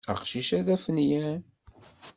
Aqcic-a d afinyan.